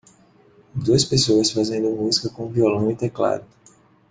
Duas pessoas fazendo música com um violão e teclado.